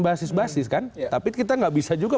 basis basis kan tapi kita nggak bisa juga